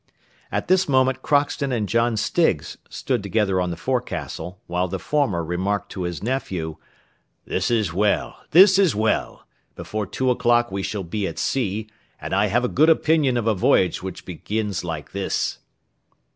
At this moment Crockston and John Stiggs stood together on the forecastle, while the former remarked to his nephew, "This is well, this is well; before two o'clock we shall be at sea, and I have a good opinion of a voyage which begins like this."